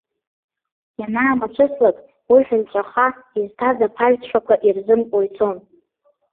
Ианаамацәыслак, уи ҳәынҵәаха, изҭаз аԥаҩ ҭшәақәа ирзымкуа ицон.